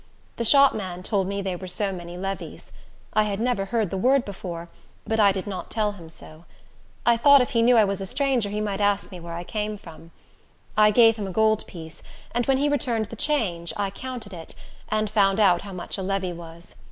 The shopman told me they were so many levies. I had never heard the word before, but I did not tell him so. I thought if he knew I was a stranger he might ask me where I came from. I gave him a gold piece, and when he returned the change, I counted it, and found out how much a levy was.